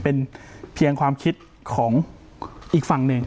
เป็นเพียงความคิดของอีกฝั่งหนึ่ง